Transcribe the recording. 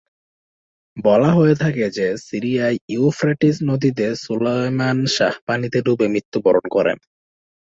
বলা হয়ে থাকে যে, সিরিয়ায় ইউফ্রেটিস নদীতে সুলেমান শাহ পানিতে ডুবে মৃত্যুবরণ করেন।